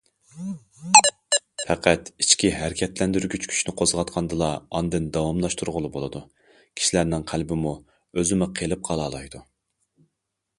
پەقەت ئىچكى ھەرىكەتلەندۈرگۈچ كۈچنى قوزغاتقاندىلا، ئاندىن داۋاملاشتۇرغىلى بولىدۇ، كىشىلەرنىڭ قەلبىمۇ، ئۆزىمۇ قېلىپ قالالايدۇ.